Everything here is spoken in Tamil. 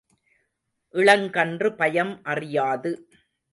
இளங் கன்று பயம் அறியாது.